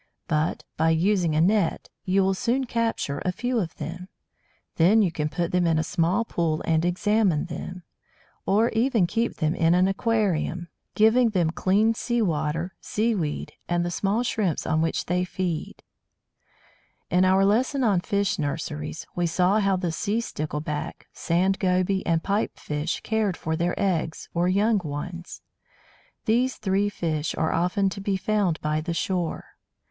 But, by using a net, you will soon capture a few of them. Then you can put them in a small pool and examine them; or even keep them in an aquarium, giving them clean sea water, seaweed, and the small shrimps on which they feed. [Illustration: PIPE FISH AND FLUTE MOUTH] In our lesson on fish nurseries we saw how the Sea stickleback, Sand Goby and Pipe fish cared for their eggs or young ones. These three fish are often to be found by the shore.